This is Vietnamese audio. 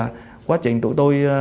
thì quá trình tụi tôi